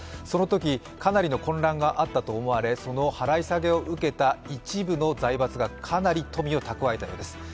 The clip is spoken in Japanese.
そのとき、かなりの混乱があったと思われ、その払い下げを受けた一部の財閥がかなり富を蓄えたようです。